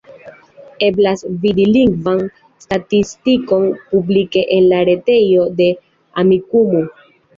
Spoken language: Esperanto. Eblas vidi lingvan statistikon publike en la retejo de Amikumu.